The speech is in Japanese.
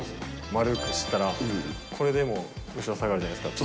丸くしたらこれでも後ろ下がるじゃないですか。